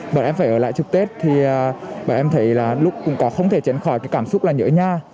và em phải ở lại trực tế thì em thấy là lúc cũng có không thể chẳng khỏi cái cảm xúc là nhớ nhà